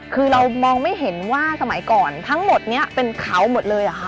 คือเรามองไม่เห็นว่าสมัยก่อนทั้งหมดนี้เป็นเขาหมดเลยเหรอคะ